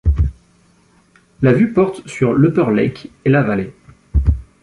La vue porte sur l'Upper Lake et la vallée.